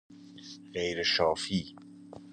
غیر شافی